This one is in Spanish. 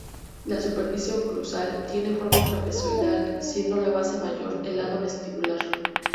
La superficie oclusal tiene forma trapezoidal, siendo la base mayor el lado vestibular.